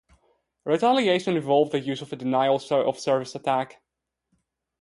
Retaliation involved the use of a denial of service attack.